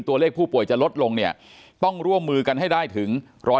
ตัวเลขผู้ป่วยจะลดลงเนี่ยต้องร่วมมือกันให้ได้ถึง๑๐๐